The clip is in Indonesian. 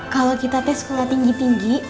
kalau kita tes sekolah tinggi tinggi